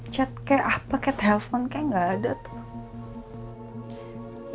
chat kayak apa chat telepon kayak gak ada tuh